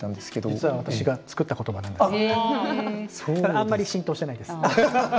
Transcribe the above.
あんまり浸透してないです。